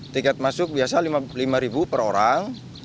tiket masuk biasa lima per orang